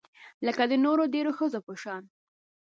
لکه د نورو ډیرو ښځو په شان